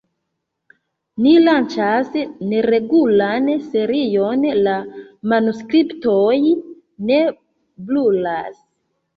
Ni lanĉas neregulan serion La manuskriptoj ne brulas.